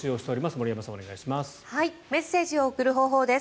森山さん、お願いします。